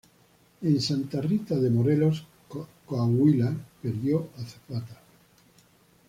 En Santa Rita de Morelos, Coahuila, perdió a Zapata.